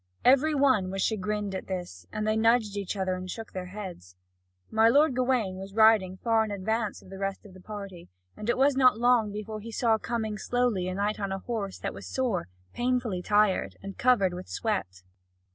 Every one was chagrined at this, and they nudged each other and shook their heads. My lord Gawain was riding far in advance of the rest of the party, and it was not long before he saw coming slowly a knight on a horse that was sore, painfully tired, and covered with sweat.